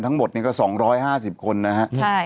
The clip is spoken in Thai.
ทั้งหมดก็สองร้อยห้าสิบคนนะฮะใช่